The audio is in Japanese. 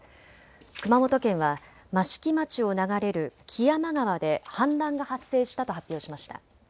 熊本県は益城町を流れる木山川で氾濫が発生したと発表しました。